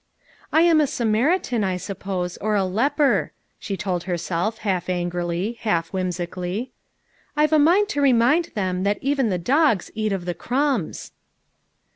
"I am a Samaritan, I suppose, or a leper," she told herself half angrily, half whimsically. "I've a mind to remind them that 'even the dogs eat of the crumbs.'